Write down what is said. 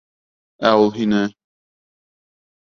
Ә ул һине?